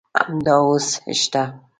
همدا اوس شته.